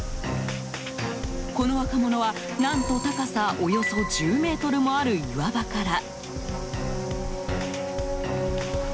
この若者は、何と高さおよそ１０ｍもある岩場から。